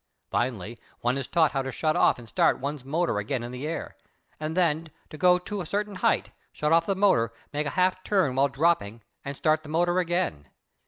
Finally one is taught how to shut off and start one's motor again in the air, and then to go to a certain height, shut off the motor, make a half turn while dropping and start the motor again.